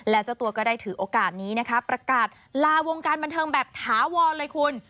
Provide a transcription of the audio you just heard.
และเจ้าตัวก็ได้ถือโอกาสนี้นะคะประกาศลาวงการบันเทิงแบบถาวรเลยคุณ